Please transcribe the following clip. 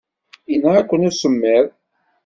Yenɣa-ken usemmiḍ.